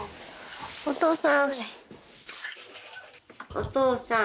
お父さん。